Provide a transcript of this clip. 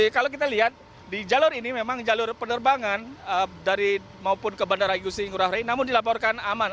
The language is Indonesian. kalau kita lihat di jalur ini memang jalur penerbangan dari maupun ke bandara igusi ngurah rai namun dilaporkan aman